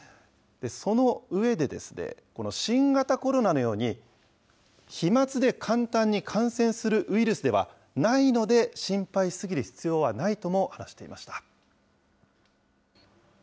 その上で、この新型コロナのように、飛まつで簡単に感染するウイルスではないので、心配し過ぎる必要はないとも話していました。